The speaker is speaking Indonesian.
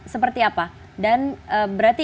seperti apa dan berarti